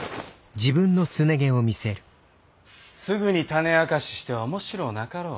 すぐに種明かししては面白うなかろう。